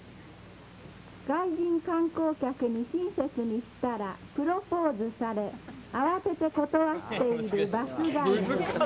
外人観光客に親切にしたらプロポーズされ、慌てて断っているバスガイド。